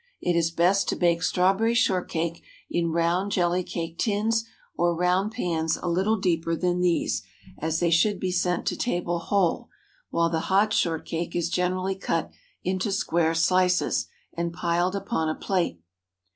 It is best to bake strawberry shortcake in round jelly cake tins, or round pans a little deeper than these, as they should be sent to table whole, while the hot short cake is generally cut into square slices, and piled upon a plate.